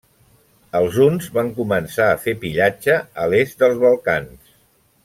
Els huns van començar a fer pillatge a l'est dels Balcans.